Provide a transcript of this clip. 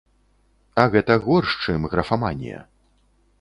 А гэта горш, чым графаманія.